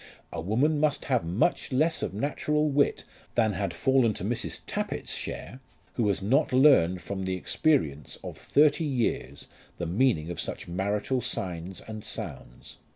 A woman must have much less of natural wit than had fallen to Mrs. Tappitt's share, who has not learned from the experience of thirty years the meaning of such marital signs and sounds.